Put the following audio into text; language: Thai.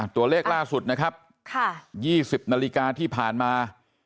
ตัวเลขล่าสุดนะครับ๒๐นาฬิกาที่ผ่านมา